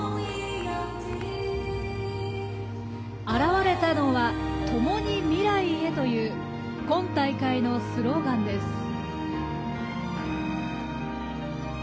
現れたのは「ともに未来へ」という今大会のスローガンです。